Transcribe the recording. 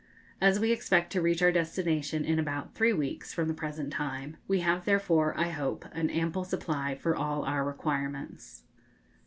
As we expect to reach our destination in about three weeks from the present time, we have therefore, I hope, an ample supply for all our requirements.